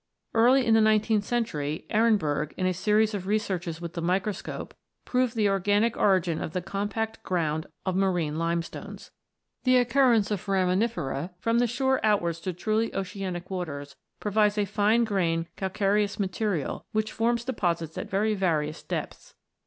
Early in the nineteenth century, Ehrenberg, in a series of re searches with the microscope, proved the organic origin of the compact ground of marine limestones. The occurrence of foraminifera from the shore out wards to truly oceanic waters provides a fine grained calcareous material which forms deposits at very various depths.